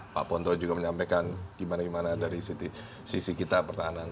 pak ponto juga menyampaikan gimana gimana dari sisi kita pertahanan